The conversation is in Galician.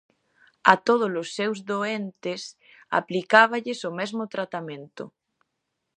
A tódolos seus doentes aplicáballes o mesmo tratamento.